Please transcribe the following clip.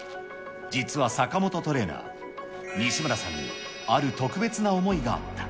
実は坂本トレーナー、西村さんにある特別な思いがあった。